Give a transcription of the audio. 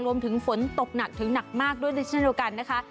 ฝนตกหนักถึงหนักมากด้วยเช่นเดียวกันนะคะ